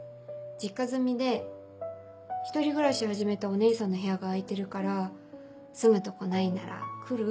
「実家住みで１人暮らし始めたお姉さんの部屋が空いてるから住むとこないなら来る？」